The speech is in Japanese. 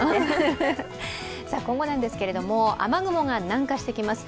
今後なんですけれども、雨雲が南下してきます。